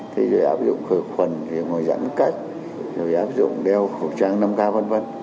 thì rồi áp dụng khởi khuẩn rồi áp dụng đeo khẩu trang năm k v v